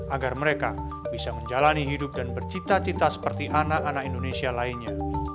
agar mereka bisa menjalani hidup dan bercita cita seperti anak anak indonesia lainnya